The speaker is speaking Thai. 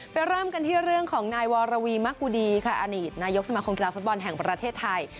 เริ่มกันที่เรื่องของนายวรวีมักกุดีค่ะอดีตนายกสมาคมกีฬาฟุตบอลแห่งประเทศไทย